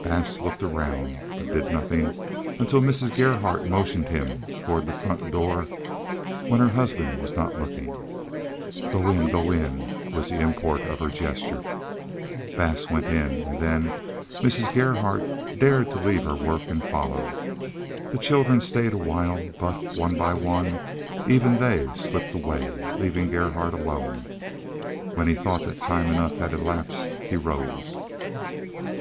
Bass looked around, but did nothing until Mrs. Gerhardt motioned him toward the front door when her husband was not looking. "Go in! Go in!" was the import of her gesture. Bass went in, and then Mrs. Gerhardt dared to leave her work and follow. The children stayed awhile, but, one by one, even they slipped away, leaving Gerhardt alone. When he thought that time enough had elapsed he arose.